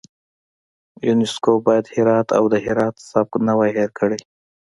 یونسکو باید هرات او د هرات سبک نه وای هیر کړی.